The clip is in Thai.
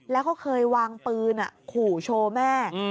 แล้วก็เคยวางปืนขู่โชว์แม่